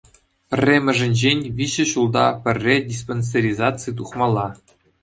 Пӗрремӗшӗнчен, виҫӗ ҫулта пӗрре диспансеризаци тухмалла.